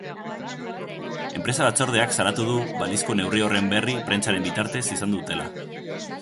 Enpresa batzordeak salatu du balizko neurri horren berri prentsaren bitartez izan dutela.